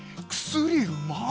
薬うま！